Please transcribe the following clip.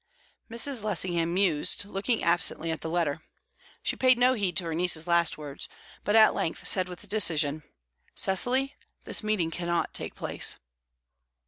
Mrs. Lessingham mused, looking absently at the letter. She paid no heed to her niece's last words, but at length said with decision: "Cecily, this meeting cannot take place."